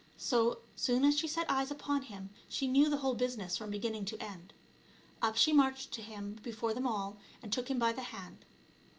So soon as she set eyes upon him she knew the whole busi ness from beginning to end. Up she marched to him, before them all, and took him by the hand.